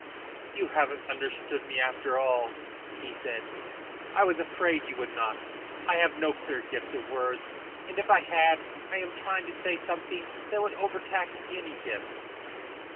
"You haven't understood me after all," he said. "I was afraid you would not. I have no clear gift of words, and if I had, I am trying to say something that would overtax any gift."